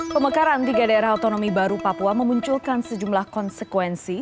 pemekaran tiga daerah otonomi baru papua memunculkan sejumlah konsekuensi